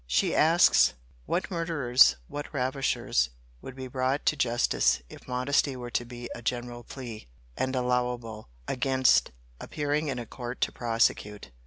She asks, What murderers, what ravishers, would be brought to justice, if modesty were to be a general plea, and allowable, against appearing in a court to prosecute?